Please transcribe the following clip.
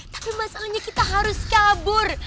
tapi masalahnya kita harus kabur